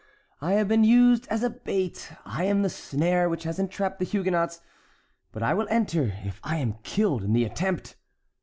I have been used as a bait. I am the snare which has entrapped the Huguenots; but I will enter, if I am killed in the attempt!"